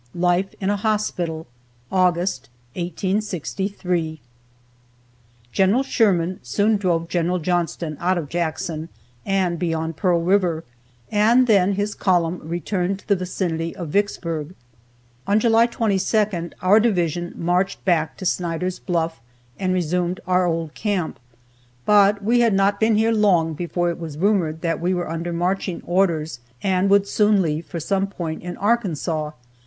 LIFE IN A HOSPITAL. AUGUST, 1863. General Sherman soon drove General Johnston out of Jackson, and beyond Pearl river, and then his column returned to the vicinity of Vicksburg. On July 22nd our division marched back to Snyder's Bluff, and resumed our old camp. But we had not been here long before it was rumored that we were under marching orders, and would soon leave for some point in Arkansas.